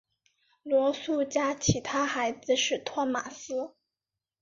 罗素家其他孩子是托马斯。